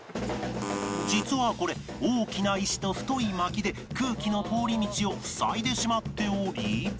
実はこれ大きな石と太い薪で空気の通り道を塞いでしまっており